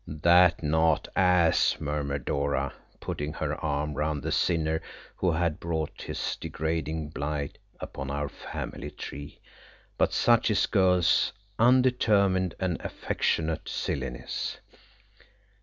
"That, not as," murmured Dora, putting her arm round the sinner who had brought this degrading blight upon our family tree, but such is girls' undetermined and affectionate silliness.